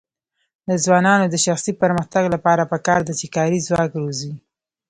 د ځوانانو د شخصي پرمختګ لپاره پکار ده چې کاري ځواک روزي.